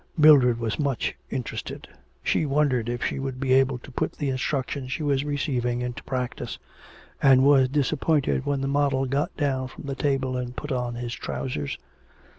Mildred was much interested; she wondered if she would be able to put the instruction she was receiving into practice, and was disappointed when the model got down from the table and put on his trousers.